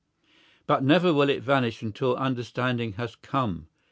But never will it vanish until understanding has come.